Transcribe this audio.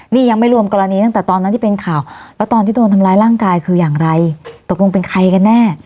นี่ยังไม่รวมกรณีตั้งแต่ตอนนั้นที่เป็นข่าวแล้วตอนที่โดนทำร้ายร่างกายคืออย่างไรตกลงเป็นใครกันแน่